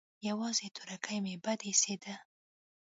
يوازې تورکى مې بد اېسېد.